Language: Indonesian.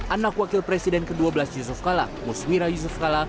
anak wakil presiden ke dua belas yusuf kala musmira yusuf kala